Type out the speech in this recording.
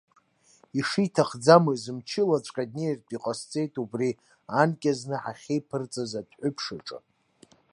Ишиҭахӡамыз, мчылаҵәҟьа днеиртә иҟасҵеит убри, анкьа зны ҳахьеиԥырҵыз адәҳәыԥш аҿы.